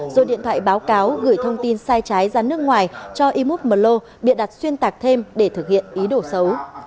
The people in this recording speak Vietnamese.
rồi điện thoại báo cáo gửi thông tin sai trái ra nước ngoài cho imut mlo bịa đặt xuyên tạc thêm để thực hiện ý đồ xấu